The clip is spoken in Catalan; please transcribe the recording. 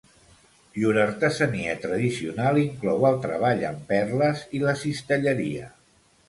Llur artesania tradicional inclou el treball amb perles i la cistelleria.